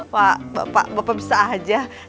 pak bapak bisa aja